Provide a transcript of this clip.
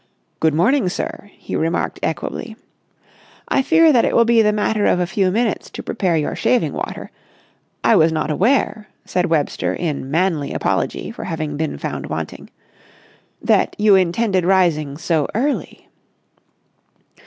"Good morning, sir," he remarked equably. "I fear that it will be the matter of a few minutes to prepare your shaving water. I was not aware," said Webster in manly apology for having been found wanting, "that you intended rising so early."